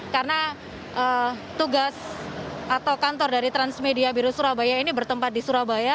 karena tugas atau kantor dari transmedia biru surabaya ini bertempat di surabaya